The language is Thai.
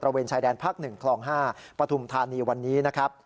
ตระเวนชายแดนพัก๑คล๕ปฐุมธานีวันนี้นะครับ